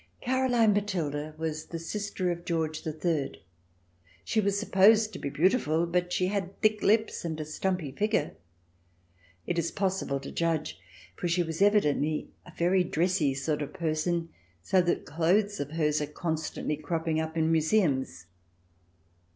Caroline Matilda was the sister of George the Third. She was supposed to be beautiful, but she had thick lips and a stumpy figure. It is possible to judge, for she was evidently a very "dressy" sort of person, so that clothes of hers are constantly cropping up in museums.